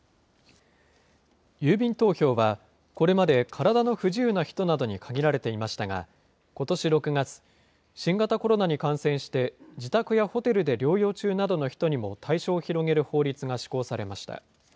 郵便投票は、これまで体の不自由な人などに限られていましたが、ことし６月、新型コロナに感染して、自宅やホテルで療養中などの人にも対象を広げる法律が施行されました。